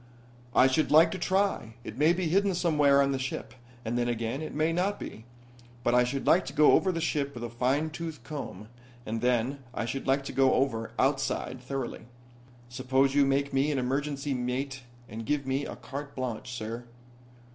"I should like to try. It may be hidden somewhere on the ship, and then again, it may not be. But I should like to go over the ship with a fine tooth comb, and then I should like to go over outside, thoroughly. Suppose you make me an emergency mate and give me a carte blanche, sir."